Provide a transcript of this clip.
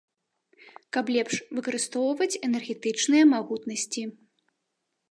Каб лепш выкарыстоўваць энергетычныя магутнасці.